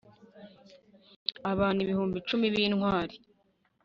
abantu ibihumbi cumi b'intwari